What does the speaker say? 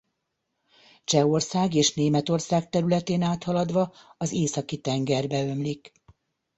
Csehország és Németország területén áthaladva az Északi-tengerbe ömlik.